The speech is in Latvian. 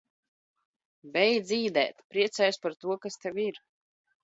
Beidz ?d?t! Priec?jies par to, kas Tev ir!